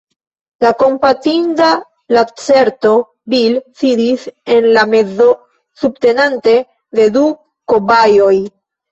La kompatinda lacerto Bil sidis en la mezo subtenate de du kobajoj